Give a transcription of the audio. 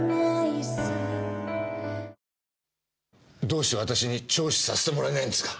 どうして私に聴取させてもらえないんですか？